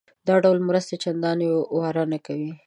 دا ډول مرستې چندانې واره نه کوي.